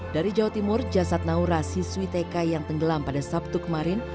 dari jawa timur jasad naurasi switeka yang tenggelam pada sabtu kemarin